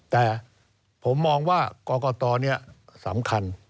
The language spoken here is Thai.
แต่ผมมองว่ากรกตนี้สำคัญ